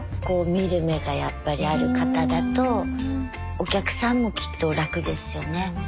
こう見る目がやっぱりある方だとお客さんもきっと楽ですよね。